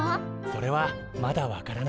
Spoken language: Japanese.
それはまだ分からない。